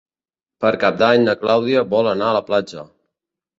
Per Cap d'Any na Clàudia vol anar a la platja.